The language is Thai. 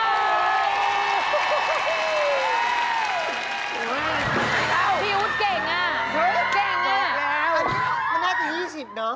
อันนี้มันน่าจะ๒๐หน่อย